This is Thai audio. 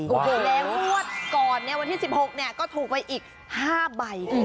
และงวดก่อนในวันที่๑๖ก็ถูกไปอีก๕ใบ